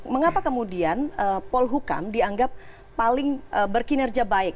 mengapa kemudian polhukam dianggap paling berkinerja baik